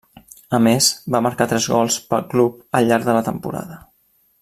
A més, va marcar tres gols pel club al llarg de la temporada.